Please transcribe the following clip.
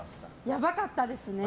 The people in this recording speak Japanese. やばかったですね。